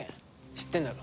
知ってんだろ？